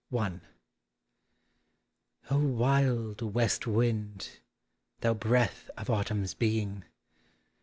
i. O wild West Wind, thou breath of Autumn's being.